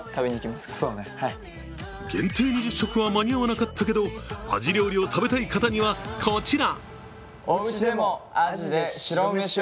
限定２０食は間に合わなかったけどアジ料理を食べたい方にはこちら。